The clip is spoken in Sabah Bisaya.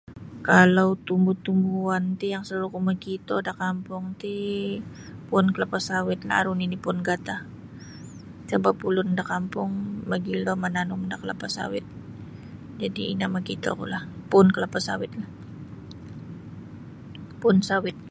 Kalau tumbu-tumbuan ti yang selaluku makito da kampung ti puun kelapa sawitlah aru nini puun gatah sebap ulun da kampung mogilo mananum da kelapa sawit jadi ino mokitokulah puun kelapa sawitlah puun sawit.